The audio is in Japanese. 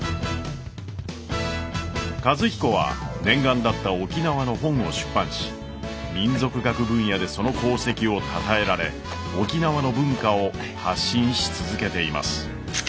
和彦は念願だった沖縄の本を出版し民俗学分野でその功績をたたえられ沖縄の文化を発信し続けています。